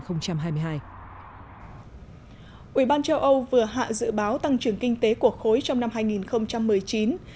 ủy ban châu âu vừa hạ dự báo tăng trưởng kinh tế của khối trong năm hai nghìn một mươi chín